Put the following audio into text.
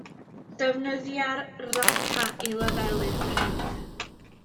Defnyddia'r raca i lefelu'r pridd.